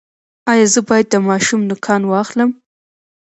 ایا زه باید د ماشوم نوکان واخلم؟